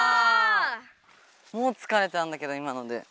もうつかれたんだけど今ので。